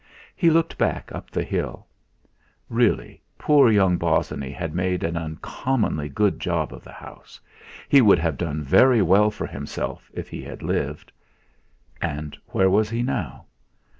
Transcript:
He looked back up the hill. Really, poor young Bosinney had made an uncommonly good job of the house; he would have done very well for himself if he had lived! And where was he now?